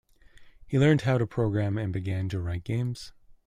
He learnt how to programme and began to write games.